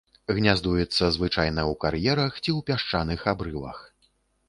Гняздуецца звычайна ў кар'ерах ці ў пясчаных абрывах.